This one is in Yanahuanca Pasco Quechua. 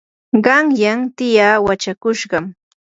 qanyan tiyaa wachakushqam.